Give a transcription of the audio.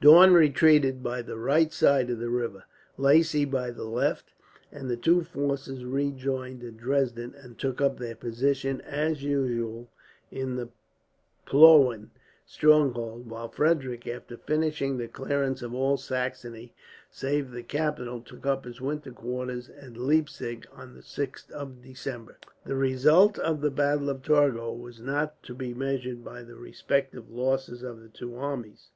Daun retreated by the right side of the river, Lacy by the left; and the two forces rejoined at Dresden, and took up their position, as usual, in the Plauen stronghold; while Frederick, after finishing the clearance of all Saxony save the capital, took up his winter quarters at Leipzig on the 6th of December. The result of the battle of Torgau was not to be measured by the respective losses of the two armies.